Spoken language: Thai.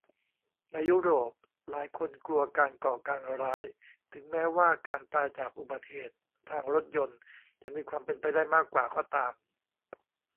ในยุโรป หลายคนกลัวการก่อการร้าย ถึงแม้ว่าการตายจากอุบัติเหตุทางรถยนต์จะมีความเป็นไปได้มากกว่าก็ตาม